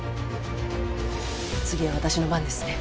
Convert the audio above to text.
次は私の番ですね。